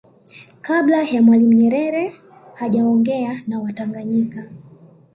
Kabla ya Mwalimu Nyerere hajaongea na watanganyika